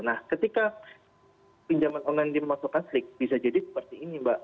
nah ketika pinjaman online dimasukkan slik bisa jadi seperti ini mbak